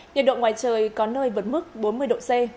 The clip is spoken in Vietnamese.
nhiệt độ ngoài trời có nơi vượt mức bốn mươi độ c